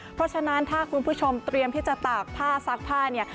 เพราะฉะนั้นถ้าคุณผู้ชมเตรียมที่จะตากผ้าซักผ้าเนี่ย